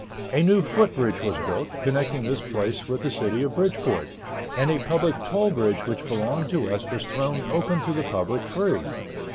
A new foot bridge was built, connecting this place with the City of Bridgeport, and a public toll bridge which belonged to us was thrown open to the public free.